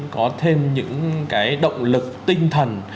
có thêm những cái động lực tinh thần